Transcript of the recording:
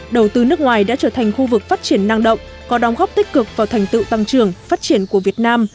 đầu tư nước ngoài đã trở thành khu vực phát triển năng động có đóng góp tích cực vào thành tựu tăng trưởng phát triển của việt nam